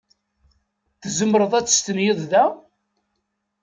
Tzemreḍ ad testenyiḍ da?